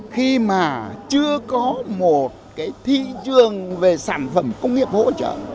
khi mà chưa có một cái thị trường về sản phẩm công nghiệp hỗ trợ